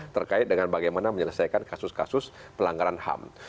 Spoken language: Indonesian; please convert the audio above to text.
terkait dengan bagaimana menyelesaikan kasus kasus pelanggaran ham